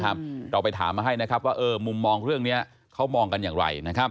เราไปถามมาให้ว่ามุมมองเรื่องนี้เขามองกันอย่างไร